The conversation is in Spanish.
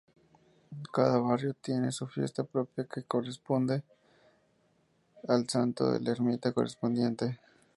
Cada barrio tiene su fiesta propia que corresponde al santo de la ermita correspondiente.